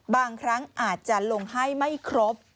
บางครั้งอาจจะลงให้ไม่ครบ